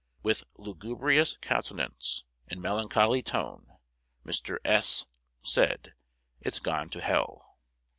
With lugubrious countenance and melancholy tone, Mr. S said, 'It's gone to hell.'